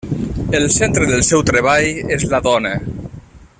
El centre del seu treball és la dona.